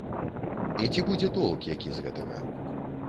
І ці будзе толк які з гэтага?